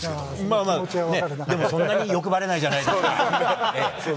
まあまあ、ね、でもそんなに欲張れないじゃないですか。